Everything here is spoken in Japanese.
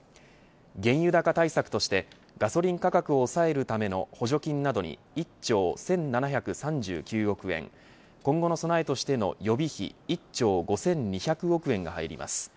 原油高対策としてガソリン価格を抑えるための補助金などに１兆１７３９億円今後の備えとしての予備費１兆５２００億円が入ります。